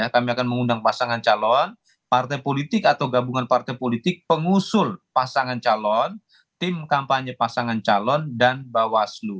kami akan mengundang pasangan calon partai politik atau gabungan partai politik pengusul pasangan calon tim kampanye pasangan calon dan bawaslu